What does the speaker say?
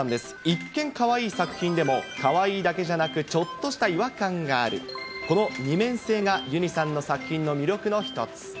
一見かわいい作品でも、かわいいだけじゃなく、ちょっとした違和感がある、この二面性がユニさんの作品の魅力の一つ。